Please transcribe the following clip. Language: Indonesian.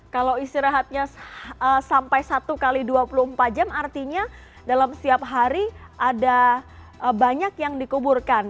kalau istirahatnya sampai satu x dua puluh empat jam artinya dalam setiap hari ada banyak yang dikuburkan